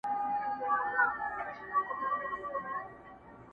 کله د طاووس په رنګینیو پټېدلای سې٫